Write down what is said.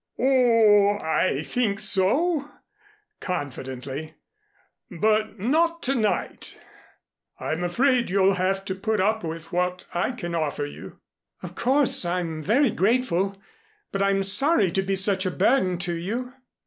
"Oh, I think so," confidently. "But not to night. I'm afraid you'll have to put up with what I can offer you." "Of course and I'm very grateful but I'm sorry to be such a burden to you."